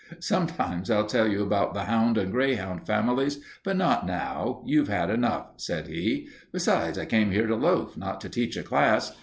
"Sometime I'll tell you about the hound and greyhound families, but not now. You've had enough," said he. "Besides, I came here to loaf, not to teach a class.